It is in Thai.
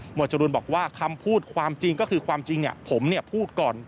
จรูนบอกว่าคำพูดความจริงก็คือความจริงผมพูดก่อน